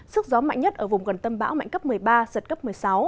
sức gió mạnh nhất ở vùng gần tâm bão mạnh cấp một mươi ba giật cấp một mươi sáu